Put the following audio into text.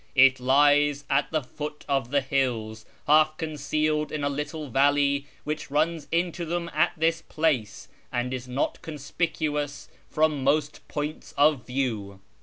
It lies at the foot of the hills, half concealed in a little valley which runs into them at this place, and is not conspicuous from most points of view.